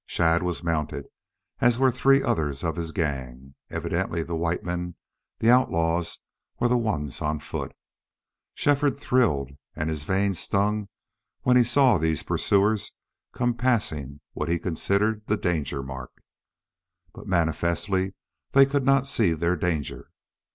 Shadd was mounted, as were three others of his gang. Evidently the white men, the outlaws, were the ones on foot. Shefford thrilled and his veins stung when he saw these pursuers come passing what he considered the danger mark. But manifestly they could not see their danger.